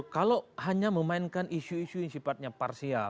kalau hanya memainkan isu isu yang sifatnya parsial